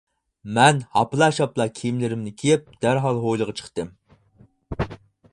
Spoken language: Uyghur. مەن ھاپلا شاپلا كىيىملىرىمنى كىيىپ، دەرھال ھويلىغا چىقتىم.